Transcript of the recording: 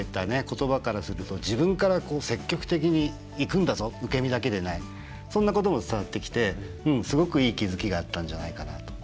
言葉からすると自分から積極的にいくんだぞ受け身だけでないそんなことも伝わってきてすごくいい気付きがあったんじゃないかなと。